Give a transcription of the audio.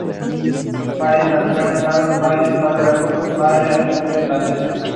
Presenta la ceremonia la actriz Laura Toledo acompañada de la escritora Eva Vaz.